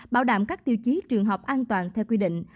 bảo đảm các tiêu chí trường học an toàn theo quy định